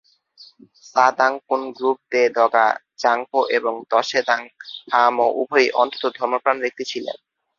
সা-দ্বাং-কুন-গ্রুব-ব্দে-দ্গা'-ব্জাং-পো এবং ত্শে-দ্বাং-ল্হা-মো উভয়েই অত্যন্ত ধর্মপ্রাণ ব্যক্তি ছিলেন।